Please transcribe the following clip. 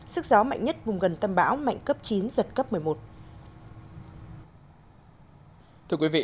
sức gió mạnh nhất vùng gần tâm bão mạnh cấp chín giật cấp một mươi một